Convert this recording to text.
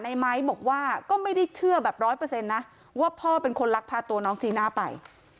ไม้บอกว่าก็ไม่ได้เชื่อแบบร้อยเปอร์เซ็นต์นะว่าพ่อเป็นคนลักพาตัวน้องจีน่าไป